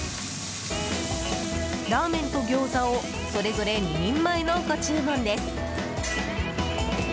ラーメンと餃子をそれぞれ２人前のご注文です。